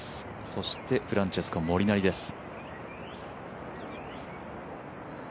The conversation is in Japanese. そして、フランチェスコ・モリナリです。